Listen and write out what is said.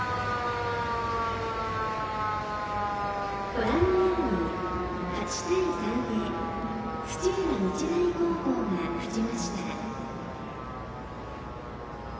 ご覧のように８対３で土浦日大高校が勝ちました。